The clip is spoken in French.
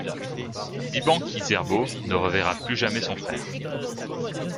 Diban Ki-Zerbo ne reverra plus jamais son frère.